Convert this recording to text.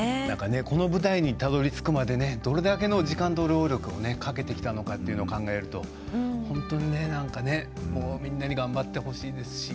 この舞台にたどり着くまでどれだけ時間と労力をかけてきたのかっていうのを考えると、本当にみんなに頑張ってほしいですし。